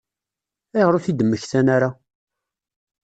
Ayɣer ur t-id-mmektan ara?